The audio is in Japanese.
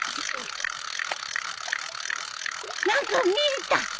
何か見えた。